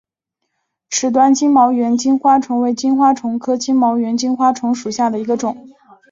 池端金毛猿金花虫为金花虫科金毛猿金花虫属下的一个种。